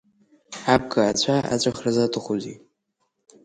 Абга ацәа аҵәахра заҭахузеи!